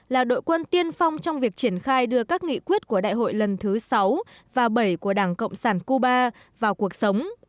là đội quân tiên phong trong việc triển khai đưa các nghị quyết của đại hội lần thứ sáu và bảy của đảng cộng sản cuba vào cuộc sống